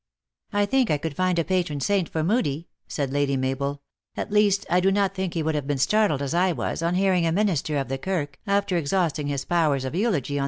U I think I could find a patron saint for Moodie," said Lady Mabel. " At least I do not think he would have been startled as I was, on hearing a minister of the Kirk, after exhausting his powers of eulogy on THE ACTRESS IN HIGH LIFE.